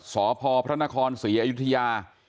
สพพระทนครสี่อายุทธิยา